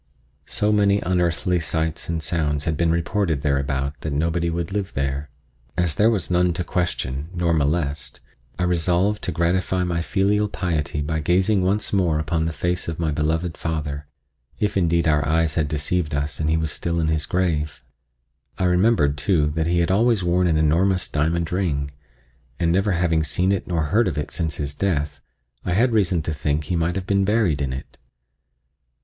So many unearthly sights and sounds had been reported thereabout that nobody would live there. As there was none to question nor molest, I resolved to gratify my filial piety by gazing once more upon the face of my beloved father, if indeed our eyes had deceived us and he was still in his grave. I remembered, too, that he had always worn an enormous diamond ring, and never having seen it nor heard of it since his death, I had reason to think he might have been buried in it.